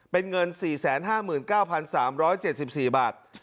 เป็นเงินสี่แสนห้าหมื่นเก้าพันสามร้อยเจ็ดสิบสี่บาท